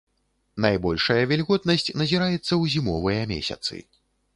Найбольшая вільготнасць назіраецца ў зімовыя месяцы.